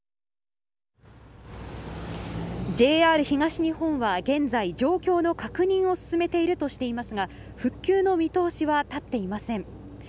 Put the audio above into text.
ＪＲ東日本は現在状況の確認を進めているとしていますが復旧の見通しは立っていません。